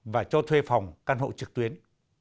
và cho thuê phòng căn hộ trực tuyến